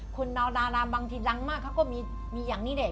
คุณราราบางทีร้างมากเขาก็มีอย่างนี้เลย